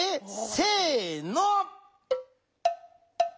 せの。